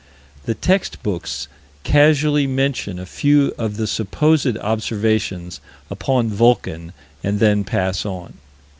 The text books casually mention a few of the "supposed" observations upon "Vulcan," and then pass on.